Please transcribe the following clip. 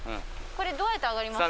どうやって上がりますか？